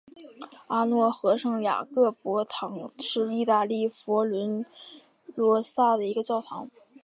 阿诺河圣雅各伯堂是意大利佛罗伦萨一个教堂。